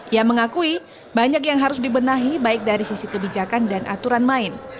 ia mengakui banyak yang harus dibenahi baik dari sisi kebijakan dan aturan main